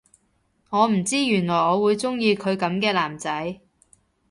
我唔知原來我會鍾意佢噉嘅男仔